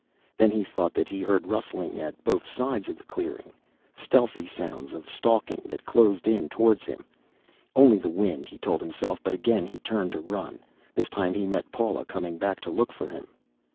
Then he thought that he heard rustlings at both sides of the clearing, stealthy sounds of stalking that closed in toward him. Only the wind, he told himself, but again he turned to run. This time he met Paula, coming back to look for him.